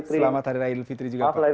selamat hari raya idul fitri